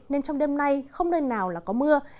nên trong đêm nay không nơi nào có mưa